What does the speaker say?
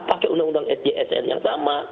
pakai undang undang sjsn yang sama